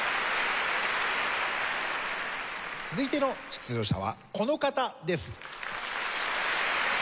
続いての出場者はこの方です。